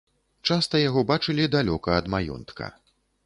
Часта яго бачылі далёка ад маёнтка.